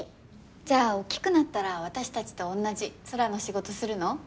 じゃあ大きくなったら私たちとおんなじ空の仕事するの？